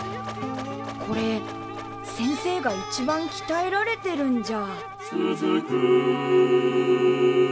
これ先生がいちばんきたえられてるんじゃ。